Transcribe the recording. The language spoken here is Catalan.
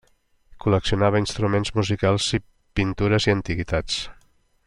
Col·leccionava instruments musicals, pintures i antiguitats.